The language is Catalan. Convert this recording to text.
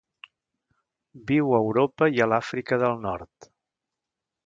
Viu a Europa i a l'Àfrica del Nord.